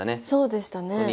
そうでしたね。